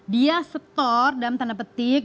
dia store dalam tanda petik